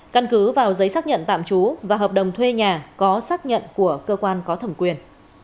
căn cứ vào giấy xác nhận tạm trú và hợp đồng thuê nhà có xác nhận của cơ quan có thẩm quyền